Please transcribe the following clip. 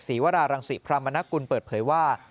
ศรีวรารังศรีพระมนักกุลเปิดเผยว่า